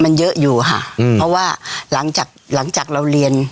มันเยอะอยู่ค่ะอืมเพราะว่าหลังจากหลังจากเราเรียน